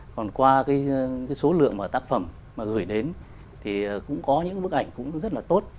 còn qua cái số lượng tác phẩm mà gửi đến thì cũng có những bức ảnh cũng rất là tốt